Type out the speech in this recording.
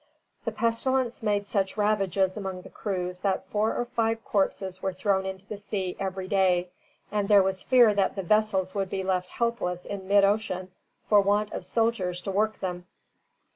The pestilence made such ravages among the crews that four or five corpses were thrown into the sea every day, and there was fear that the vessels would be left helpless in mid ocean for want of sailors to work them.